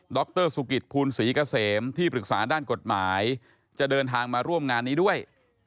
รสุกิตภูลศรีเกษมที่ปรึกษาด้านกฎหมายจะเดินทางมาร่วมงานนี้ด้วย